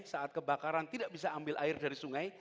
saat kebakaran tidak bisa ambil air dari sungai